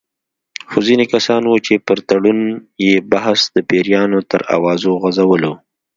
خو ځینې کسان وو چې پر تړون یې بحث د پیریانو تر اوازو غـځولو.